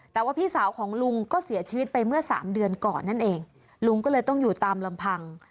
แต่ว่าพี่สาวของลุงก็เสียชีวิตไปเมื่อสามเดือนก่อนนั่นเองลุงก็เลยต้องอยู่ตามลำพัง